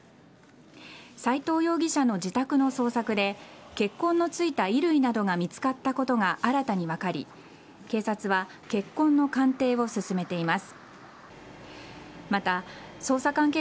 斎藤容疑者の自宅の捜索で血痕のついた衣類などが見つかったことが新たに分かり警察は血痕の鑑定を進めています。